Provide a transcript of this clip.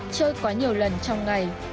chơi quá nhiều lần trong ngày